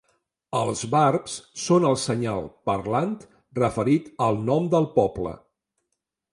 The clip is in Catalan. Els barbs són el senyal parlant referit al nom del poble.